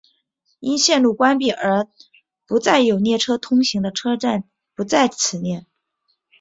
因线路关闭而不再有列车通行的车站不在此列。